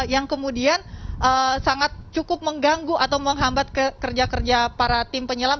yang kemudian sangat cukup mengganggu atau menghambat kerja kerja para tim penyelam